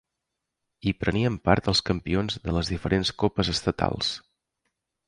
Hi prenien part els campions de les diferents copes estatals.